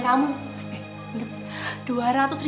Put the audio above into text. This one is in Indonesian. dua ratus ribu buat pak asri